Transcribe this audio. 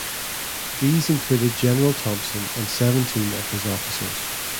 These included General Thompson and seventeen of his officers.